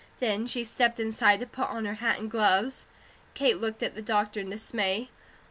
Then she stepped inside to put on her hat and gloves. Kate looked at the doctor in dismay.